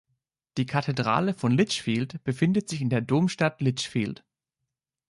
Die Kathedrale von Lichfield befindet sich in der Domstadt Lichfield.